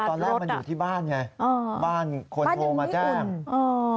ไม่ตอนแรกมันอยู่ที่บ้านไงบ้านคนโทรมาแจ้งบ้านยังไม่อุ่น